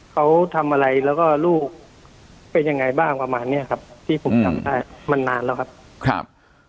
เขาทำอะไรแล้วก็ลูกเป็นยังไงบ้างประมาณเนี้ยครับที่ผมจำได้มันนานแล้วครับครับ